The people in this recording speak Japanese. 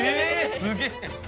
すげえ！